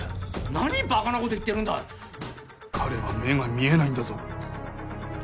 何バカなこと言ってるんだ彼は目が見えないんだぞ